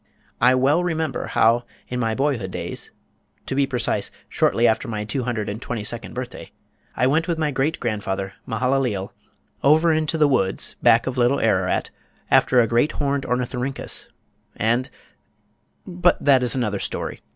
I well remember how, in my boyhood days, to be precise, shortly after my two hundred and twenty second birthday, I went with my great grandfather, Mehalaleel, over into the woods back of Little Ararat after a great horned Ornythyrhyncus and but that is another story.